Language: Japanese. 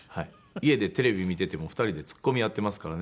家でテレビ見ていても２人でツッコみ合っていますからね。